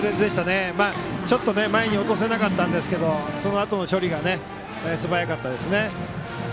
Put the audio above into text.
ちょっと前に落とせなかったんですけどそのあとの処理が素早かったですね。